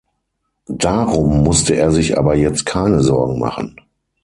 Darum musste er sich aber jetzt keine Sorgen machen.